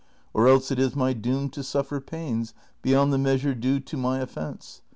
Or else it is my doom to suffer pains Beyond the measure due to my offence.